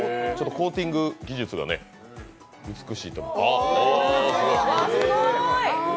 コーティング技術が美しい。